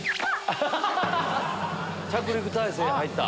着陸態勢に入った！